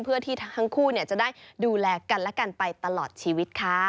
เพื่อที่ทั้งคู่จะได้ดูแลกันและกันไปตลอดชีวิตค่ะ